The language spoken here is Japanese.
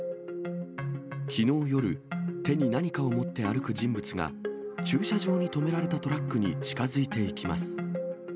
きのう夜、手に何かを持って歩く人物が、駐車場に止められたトラックに近づいていきます。